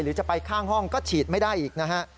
หรือจะไปข้างห้องก็ฉีดไม่ได้อีกนะฮะ